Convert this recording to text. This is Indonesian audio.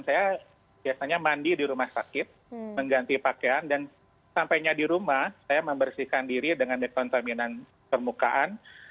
saya biasanya mandi di rumah sakit mengganti pakaian dan sampainya di rumah saya membersihkan diri dengan dekontaminan permukaan